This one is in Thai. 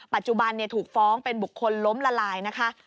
ปัจจุบันถูกฟ้องเป็นบุคคลล้มละลายนะคะ